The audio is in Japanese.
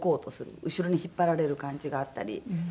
後ろに引っ張られる感じがあったり。